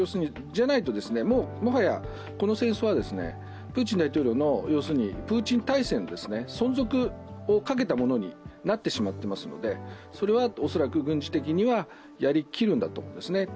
じゃないと、もはやこの戦争はプーチン大統領のプーチン体制の存続をかけたものになってしまっていますので、それは恐らく軍事的にはやりきるんだと思うんですね。